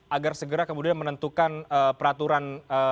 agar segera kemudian menentukan peraturan